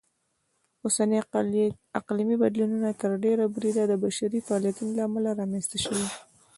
اوسني اقلیمي بدلونونه تر ډېره بریده د بشري فعالیتونو لهامله رامنځته شوي.